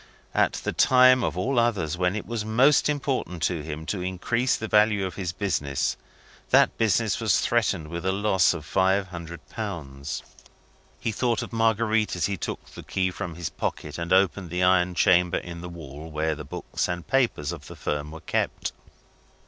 At the time of all others when it was most important to him to increase the value of his business, that business was threatened with a loss of five hundred pounds. He thought of Marguerite, as he took the key from his pocket and opened the iron chamber in the wall in which the books and papers of the firm were kept.